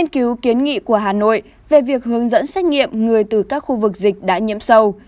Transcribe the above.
nghiên cứu kiến nghị của hà nội về việc hướng dẫn xét nghiệm người từ các khu vực dịch đã nhiễm sâu